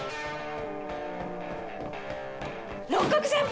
六角先輩！